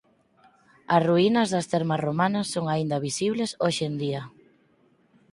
As ruínas das termas romanas son aínda visibles hoxe en día.